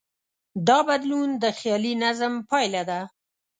دا بدلون د خیالي نظم پایله ده.